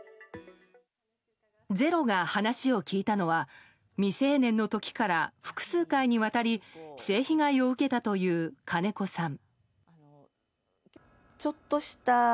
「ｚｅｒｏ」が話を聞いたのは未成年の時から複数回にわたり性被害を受けたという金子さん。